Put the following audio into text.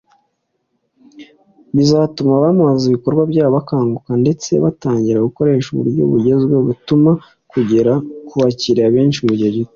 Bizatuma abamamaza ibikorwa byabo bakanguka ndetse batangire gukoresha uburyo bugezweho butuma bagera ku bakiliya benshi mu gihe gito